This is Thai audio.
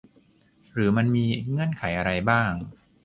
หรือมันมีเงื่อนไขอะไรบ้าง